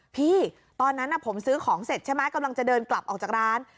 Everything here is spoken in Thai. พี่ตอนนั้นผมซื้อของเสร็จใช่ไหมกำลังจะเดินกลับออกจากร้าน